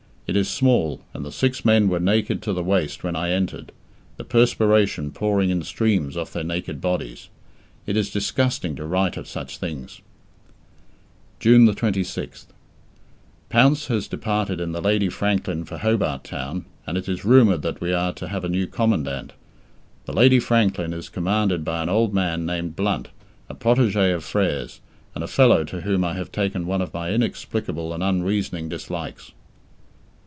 It is small, and the six men were naked to the waist when I entered, the perspiration pouring in streams off their naked bodies! It is disgusting to write of such things. June 26th. Pounce has departed in the Lady Franklin for Hobart Town, and it is rumoured that we are to have a new Commandant. The Lady Franklin is commanded by an old man named Blunt, a protegé of Frere's, and a fellow to whom I have taken one of my inexplicable and unreasoning dislikes.